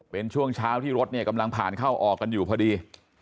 เป็นช่วงเช้าที่รถเนี่ยกำลังผ่านเข้าออกกันอยู่พอดี